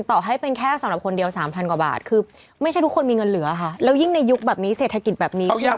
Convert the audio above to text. ต่อให้เป็นแค่สำหรับคนเดียวสามพันกว่าบาทคือไม่ใช่ทุกคนมีเงินเหลือค่ะแล้วยิ่งในยุคแบบนี้เศรษฐกิจแบบนี้